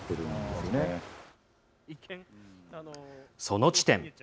その地点。